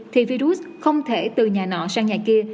thì virus không thể từ nhà nọ sang nhà kia